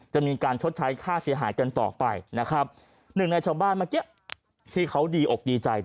จะมีการชดใช้ค่าเสียหายกันต่อไป๑ในช้อบ้านเมื่อกี้ที่เขาดีอกดีใจ